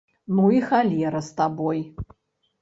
Ну і халера з табой!